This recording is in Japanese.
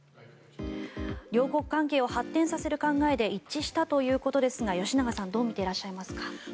両国関係を発展させる考えで一致したということですが吉永さんどう見ていらっしゃいますか？